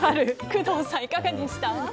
工藤さん、いかがでした？